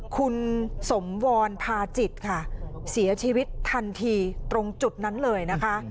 คุณสมวรภาจิตค่ะเสียชีวิตทันทีตรงจุดนั้นเลยนะคะ